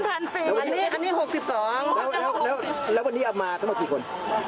แล้ววันนี้เอามาตั้งแต่กี่คน